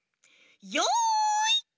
よい！